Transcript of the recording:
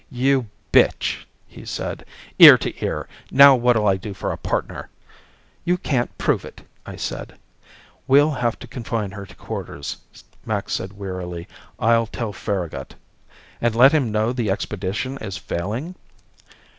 "You bitch," he said. "Ear to ear. Now what'll I do for a partner?" "You can't prove it," I said. "We'll have to confine her to quarters," Max said wearily. "I'll tell Farragut." "And let him know the expedition is failing?"